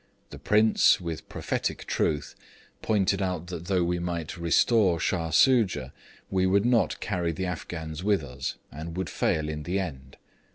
The Prince, with prophetic truth, pointed out that though we might restore Shah Soojah, we would not carry the Afghans with us, and would fail in the end.